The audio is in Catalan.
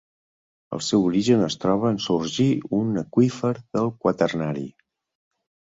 El seu origen es troba en sorgir un aqüífer del quaternari.